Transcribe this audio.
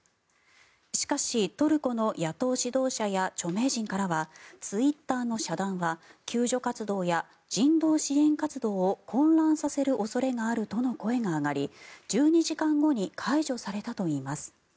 しかし、トルコの野党指導者や著名人からはツイッターの遮断は救助活動や人道支援活動を混乱させる恐れがあるとの声が上がり１２時間後に解除されたといいます。